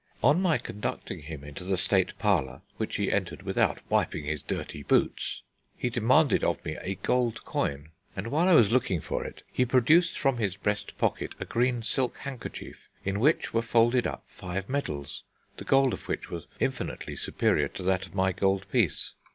On my conducting him into the state parlour (which he entered without wiping his dirty boots), he demanded of me a gold coin, and while I was looking for it, he produced from his breast pocket a green silk handkerchief, in which were folded up five medals, the gold of which was infinitely superior to that of my gold piece."